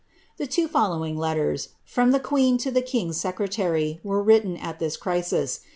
* The two following letters, from the queen to the king's secretary, were written at this crisis.